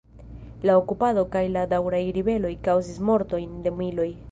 La okupado kaj la daŭraj ribeloj kaŭzis mortojn de miloj.